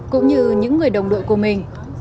cũng như những người đồng đội của mình